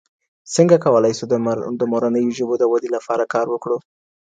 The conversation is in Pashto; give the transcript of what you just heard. څنګه کولای سو د مورنیو ژبو د ودي لپاره کار وکړو؟